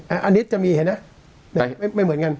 อันนี้จะมีเห็นไหมไม่เหมือนกัน